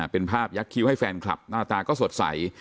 เป็นภาพยักษ์คิ้วให้แฟนคลับหน้าตาก็สดใส